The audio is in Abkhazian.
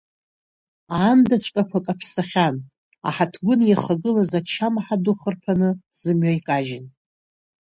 Аандақәаҵәҟьа каԥсахьан, аҳаҭгәын иахагылаз ачамҳа ду хырԥаны зымҩа икажьын.